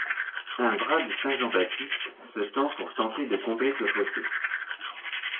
Un bras de Saint-Jean-Baptiste se tend pour tenter de combler ce fossé.